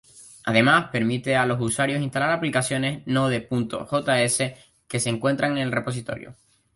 Además, permite a los usuarios instalar aplicaciones Node.js que se encuentran en el repositorio.